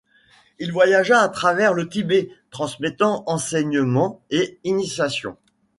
Il voyagea à travers le Tibet, transmettant enseignements et initiations.